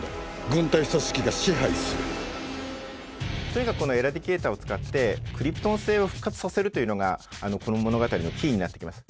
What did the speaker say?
とにかくこのエラディケイターを使ってクリプトン星を復活させるというのがこの物語のキーになってきます。